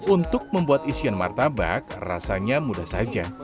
untuk membuat isian martabak rasanya mudah saja